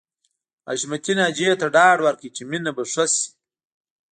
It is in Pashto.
حشمتي ناجیې ته ډاډ ورکړ چې مينه به ښه شي